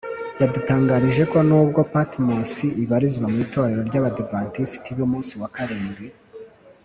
yadutangarije ko n’ubwo Patmos ibarizwa mu itorero ry’Abadiventisiti b’umunsi wa karindwi